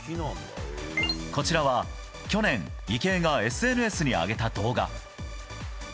こちらは去年、池江がＳＮＳに上げた動画。